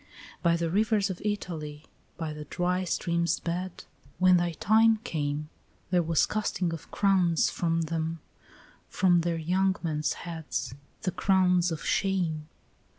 By the rivers of Italy, by the dry streams' beds, When thy time came, There was casting of crowns from them, from their young men's heads, The crowns of shame.